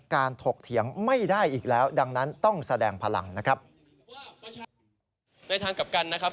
การถกเถียงไม่ได้อีกแล้วดังนั้นต้องแสดงพลังนะครับ